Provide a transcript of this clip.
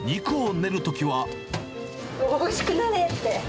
おいしくなれって。